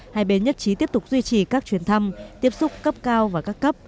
hai bên nhất trí tiếp tục duy trì các chuyến thăm tiếp xúc cấp cao và các cấp